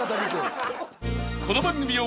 ［この番組を］